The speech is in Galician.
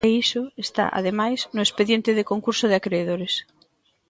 E iso está, ademais, no expediente de concurso de acredores.